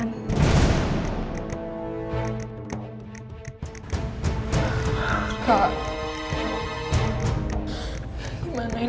dan komputer nyuruh yang handal